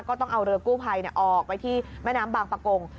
ต้องเอาเรือกู้ภัยออกไปที่แม่น้ำบางประกง